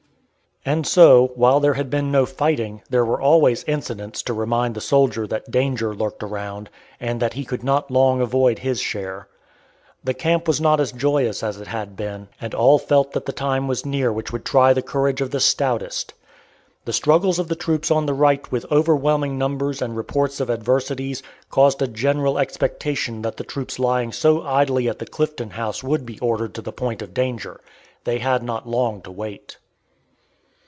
And so, while there had been no fighting, there were always incidents to remind the soldier that danger lurked around, and that he could not long avoid his share. The camp was not as joyous as it had been, and all felt that the time was near which would try the courage of the stoutest. The struggles of the troops on the right with overwhelming numbers and reports of adversities, caused a general expectation that the troops lying so idly at the Clifton House would be ordered to the point of danger. They had not long to wait.